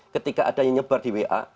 ketika ada yang nyebar di wa